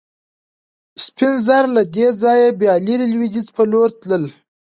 سپین زر له دې ځایه بیا لرې لوېدیځ په لور تلل.